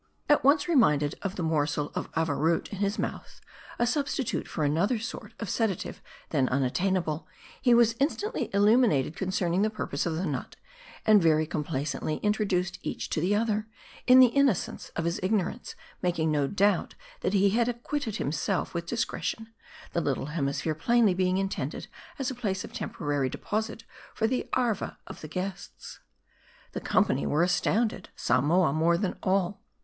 At once reminded of the morsel of Arva root in his mouth, a substitute for another sort of sedative then unattainable, he was instantly illuminated concerning the purpose of the nut ; and very complacently introduced each to the other ; in the innocence of his ignorance making no doubt that he had acquitted himself with discretion ; the little hemisphere plainly being intended as a place of tem porary deposit for the Arva of the guests. The company were astounded : Samoa more than all.